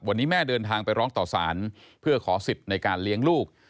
วันนี้แม่เดินทางไปร้องต่อสารเพื่อขอสิทธิ์ในการเลี้ยงลูก